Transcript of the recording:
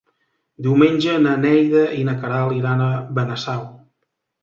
Diumenge na Neida i na Queralt iran a Benasau.